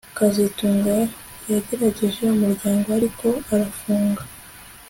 kazitunga yagerageje umuryango ariko arafunga